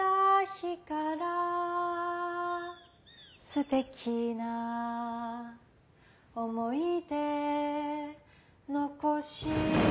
「すてきな思い出残し」